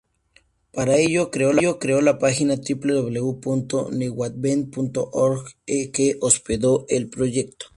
Para ello creó la página "www.newadvent.org" que hospedó el proyecto.